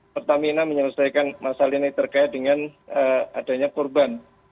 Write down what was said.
pertamina menyelesaikan masalah ini terkait dengan adanya korban